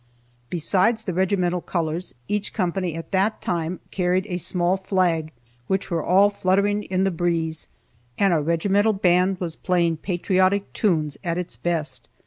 Besides the regimental colors, each company, at that time, carried a small flag, which were all fluttering in the breeze, and our regimental band was playing patriotic tunes at its best.